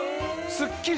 スッキリ！